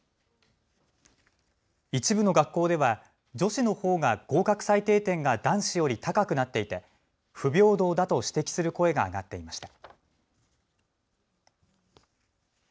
一部の学校では女子のほうが合格最低点が男子より高くなっていて不平等だと指摘する声が上がっていました。